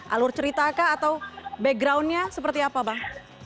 alur ceritakah atau background nya seperti apa bang